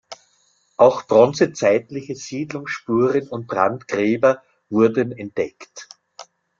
Auch bronzezeitliche Siedlungsspuren und Brandgräber wurden entdeckt.